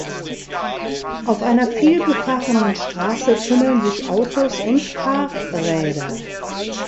Auf einer viel befahrenen Straße tummeln sich Autos und Fahrräder.